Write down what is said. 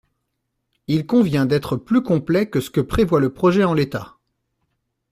Il convient d’être plus complet que ce que prévoit le projet en l’état.